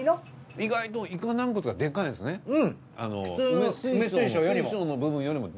意外とイカ軟骨がでかいんですよね。